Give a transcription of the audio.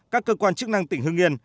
các cơ quan chức năng tỉnh hương yên